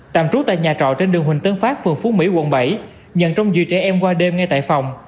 tạm trú tại nhà trọ trên đường huỳnh tấn phát phường phú mỹ quận bảy nhận trông giữ trẻ em qua đêm ngay tại phòng